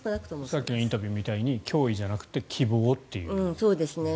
さっきのインタビューみたいに脅威じゃなくてそうですね。